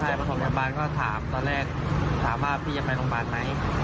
ใช่ประถมพยาบาลก็ถามตอนแรกถามว่าพี่จะไปโรงพยาบาลไหม